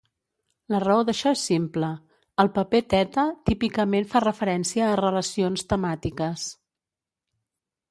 La raó d'això és simple: els paper theta típicament fa referència a relacions temàtiques.